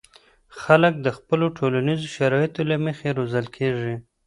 خلک د خپلو ټولنیزو شرایطو له مخې روزل کېږي.